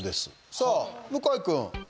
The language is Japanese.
さあ、向井君。